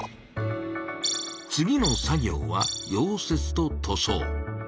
次の作業は「溶接」と「塗装」。